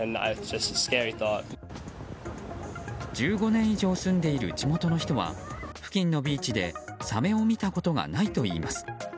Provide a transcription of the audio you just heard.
１５年以上住んでいる地元の人は付近のビーチでサメを見たことがないといいます。